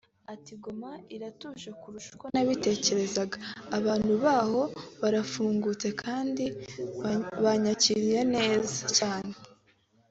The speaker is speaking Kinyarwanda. Ati “Goma iratuje kurusha uko nabitekerezaga […] Abantu baho barafungutse kandi banyakiriye neza cyane